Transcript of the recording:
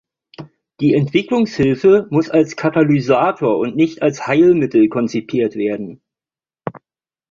Die Entwicklungshilfe muss als Katalysator und nicht als Heilmittel konzipiert werden.